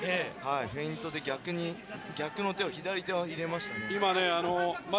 フェイントで逆の左手を入れましたね。